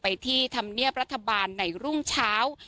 ที่ธรรมเนียบรัฐบาลในรุ่งเช้า